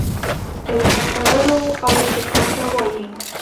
الحاد تړلو او اتصال ته وايي.